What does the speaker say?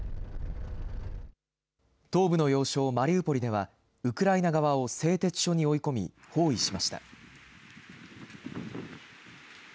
東部の要衝マリウポリではウクライナ側を製鉄所に追い込み包囲しました。